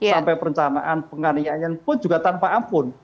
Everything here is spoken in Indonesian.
sampai perencanaan penganiayaan pun juga tanpa ampun